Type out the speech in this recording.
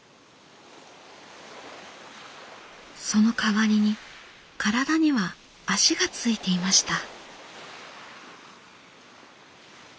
そのかわりに体には足がついていました。